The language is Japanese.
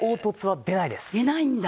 出ないんだ。